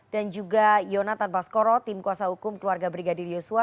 dan juga yonatan baskoro tim kuasa hukum keluarga brigadir yosua